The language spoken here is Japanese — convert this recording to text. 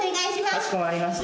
かしこまりました。